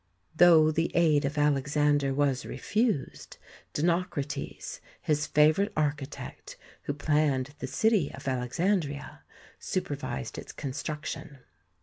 ' Though the aid of Alexander was refused, Dinoc rates, his favourite architect, who planned the city of Alexandria, supervised its construction.